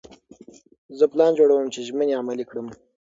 زه پلان جوړوم چې ژمنې عملي کړم.